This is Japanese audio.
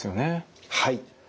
はい。